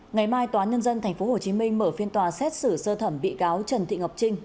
ngày mai tòa nhân dân tp hcm mở phiên tòa xét xử sơ thẩm bị cáo trần thị ngọc trinh